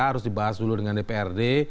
harus dibahas dulu dengan dprd